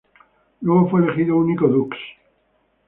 Luego fue elegido único dux.